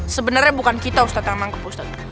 sebenarnya bukan kita ustadz yang tangkap ustadz